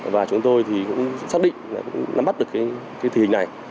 và chúng tôi thì cũng xác định là cũng nắm bắt được cái tình hình này